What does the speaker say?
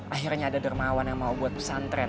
akhirnya ada dermawan yang mau buat pesantren